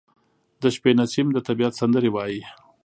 • د شپې نسیم د طبیعت سندرې وايي.